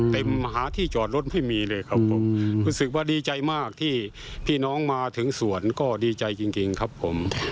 มหาที่จอดรถไม่มีเลยครับผมรู้สึกว่าดีใจมากที่พี่น้องมาถึงสวนก็ดีใจจริงครับผม